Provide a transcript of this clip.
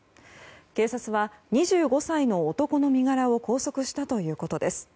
警察は２５歳の男の身柄を拘束したということです。